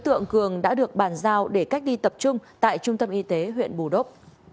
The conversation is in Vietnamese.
tại trung tâm y tế huyện bù đốc